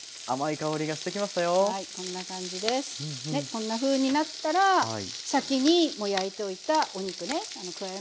こんなふうになったら先にもう焼いといたお肉ね加えます。